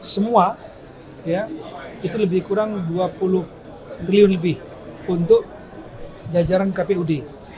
semua itu lebih kurang dua puluh triliun lebih untuk jajaran kpud